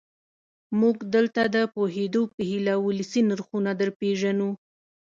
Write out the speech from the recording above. موږ دلته د پوهېدو په هیله ولسي نرخونه درپېژنو.